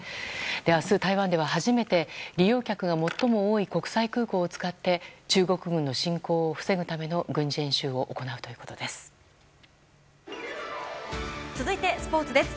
明日、台湾では初めて利用客が最も多い国際空港を使って中国軍の侵攻を防ぐための続いて、スポーツです。